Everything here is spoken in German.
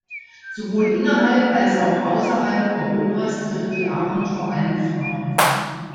Sowohl innerhalb als auch außerhalb Europas trifft die Armut vor allem Frauen.